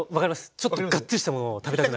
ちょっとガッツリしたものを食べたくなる。